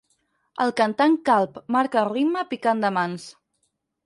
El cantant calb marca el ritme picant de mans.